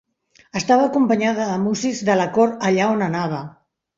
Estava acompanyada de músics de la cort allà on anava.